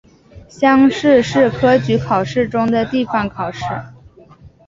乡试是科举考试中的地方考试。